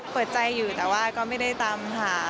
เปิดใจอยู่แต่ว่าก็ไม่ได้ตามหา